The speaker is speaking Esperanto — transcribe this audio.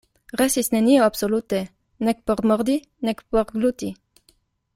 Restis nenio absolute, nek por mordi, nek por gluti.